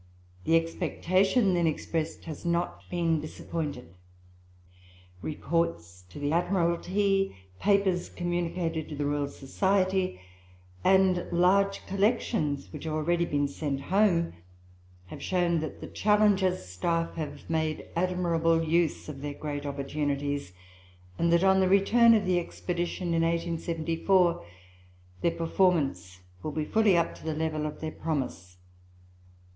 The expectation then expressed has not been disappointed. Reports to the Admiralty, papers communicated to the Royal Society, and large collections which have already been sent home, have shown that the Challenger's staff have made admirable use of their great opportunities; and that, on the return of the expedition in 1874, their performance will be fully up to the level of their promise.